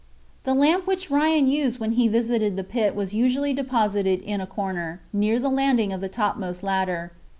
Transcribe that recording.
The lamp which Ryan used when he visited the pit was usually deposited in a corner, near the landing of the topmost ladder.